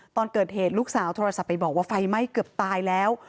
ตอนเกิดเหตุลูกสาวโทรศัพท์ไปบอกว่าไฟไหม้เกือบตายแล้ว